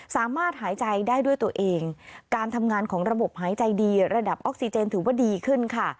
สามารถหายใจได้ด้วยตัวเองการทำงานของระบบหายใจดีระดับออกซิเจนถือว่าดีขึ้นค่ะ